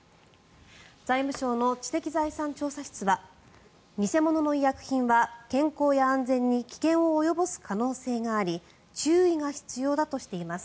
財務省の知的財産調査室は偽物の医薬品は健康や安全に危険を及ぼす可能性があり注意が必要だとしています。